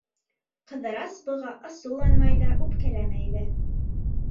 Ҡыҙырас быға асыуланмай ҙа, үпкәләмәй ҙә.